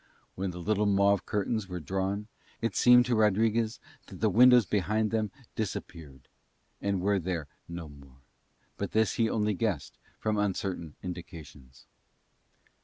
When the little mauve curtains were drawn it seemed to Rodriguez that the windows behind them disappeared and were there no more; but this he only guessed from uncertain indications.